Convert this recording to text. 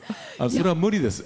それは無理です。